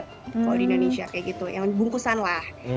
kalau di indonesia kayak gitu yang bungkusan lah